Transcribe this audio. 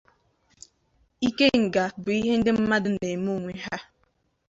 Ikenga bu ihe ndi mmadu na-eme onwe ha.